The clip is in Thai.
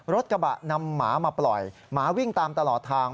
รถกระบะนำหมามาปล่อยหมาวิ่งตามตลอดทาง